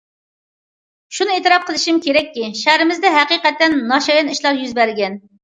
شۇنى ئېتىراپ قىلىشىم كېرەككى، شەھىرىمىزدە ھەقىقەتەن ناشايان ئىشلار يۈز بەرگەن.